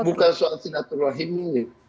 bukan soal silaturahmi